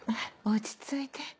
落ち着いて。